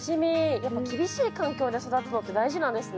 やっぱ厳しい環境で育つのって大事なんですね。